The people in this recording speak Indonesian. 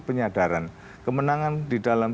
penyadaran kemenangan di dalam